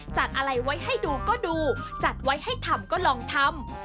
จัดอะไรไว้ให้ดูก็ดูจัดไว้ให้ทำก็ลองทำ